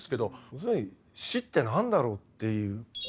要するに死って何だろうっていう。